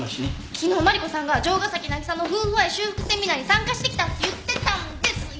昨日マリコさんが城ヶ崎渚の夫婦愛修復セミナーに参加してきたって言ってたんですよ！